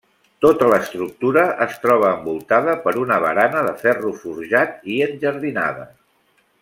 Tota l'estructura es troba envoltada per una barana de ferro forjat i enjardinada.